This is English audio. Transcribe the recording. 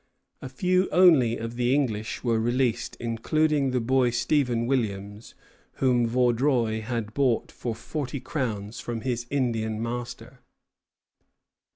A few only of the English were released, including the boy, Stephen Williams, whom Vaudreuil had bought for forty crowns from his Indian master.